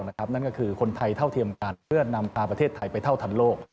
นั่นก็คือคนไทยเท่าเทียมกันเพื่อนำพาประเทศไทยไปเท่าทันโลก